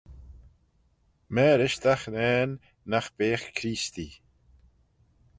Mârish dagh nane nagh beagh Creestee.